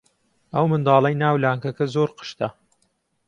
ئەو منداڵەی ناو لانکەکە زۆر قشتە.